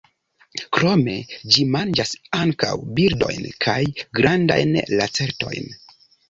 Krome ĝi manĝas ankaŭ birdojn kaj grandajn lacertojn.